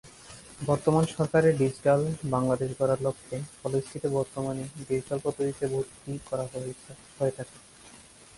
বর্তমান সরকারের ডিজিটাল বাংলাদেশ গড়ার লক্ষে কলেজটিতে বর্তমানে ডিজিটাল পদ্ধতিতে ভর্তি করা হয়ে থাকে।